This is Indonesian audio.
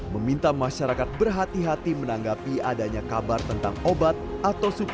meminta masyarakat berhati hati menanggapi adanya kabar tentang obat atau suku